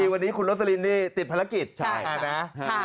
วันนี้คุณโรดศรีนติดภารกิจใช่ไหมครับ